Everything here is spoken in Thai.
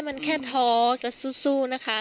มันแค่ท้อจะสู้นะคะ